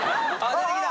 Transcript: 出てきた！